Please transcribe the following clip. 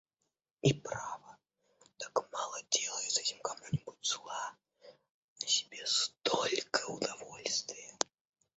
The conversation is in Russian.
И право, так мало делается этим кому-нибудь зла, а себе столько удовольствия...